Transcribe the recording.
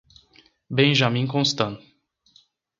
Benjamin Constant